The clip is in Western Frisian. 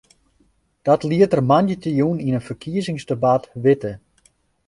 Dat liet er moandeitejûn yn in ferkiezingsdebat witte.